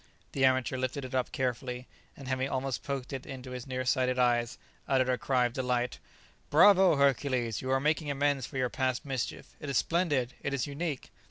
The amateur lifted it up carefully, and having almost poked it into his near sighted eyes, uttered a cry of delight, "Bravo, Hercules! you are making amends for your past mischief; it is splendid! it is unique!"